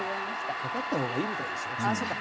かかったほうがいいみたいですよ中国は。